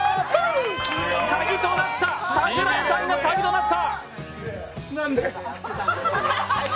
カギとなった、桜井さんがカギとなった。